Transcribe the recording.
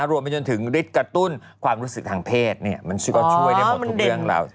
ไปจนถึงฤทธิ์กระตุ้นความรู้สึกทางเพศมันชื่อว่าช่วยได้หมดทุกเรื่องราว